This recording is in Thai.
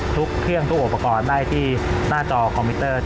ทุกเครื่องทุกอุปกรณ์ได้ที่หน้าจอคอมพิวเตอร์